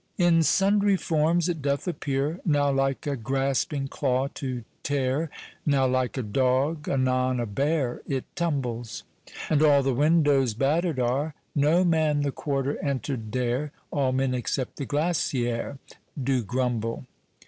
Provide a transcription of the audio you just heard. In sundry formes it doth appeare; Now like a grasping claw to teare; Now like a dog; anon a beare It tumbles; And all the windows battered are, No man the quarter enter dare; All men (except the glasier) Doe grumble.